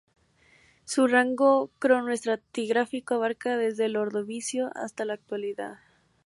Su rango cronoestratigráfico abarca desde el Ordovícico hasta la Actualidad.